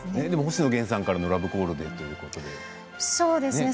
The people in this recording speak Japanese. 星野源さんからのラブコールでということですね。